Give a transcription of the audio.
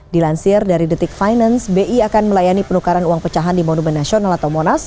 dilansir dari detik finance bi akan melayani penukaran uang pecahan di monumen nasional atau monas